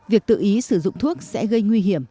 việc tự ý sử dụng thuốc sẽ gây nguy hiểm